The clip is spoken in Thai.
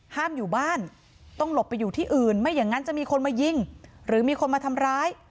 ห้ามอยู่บ้านต้องหลบไปอยู่ที่อื่นไม่อย่างนั้นจะมีคนมายิงหรือมีคนมาทำร้าย